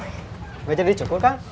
gak jadi cukur kan